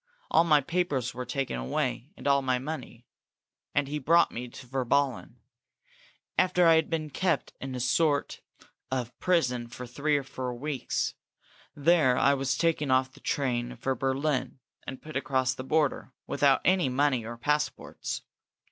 All my papers were taken away, and all my money. And he brought me to Virballen, after I had been kept in a sort of prison for three or four weeks. There I was taken off the train for Berlin and put across the border, without any money or passports.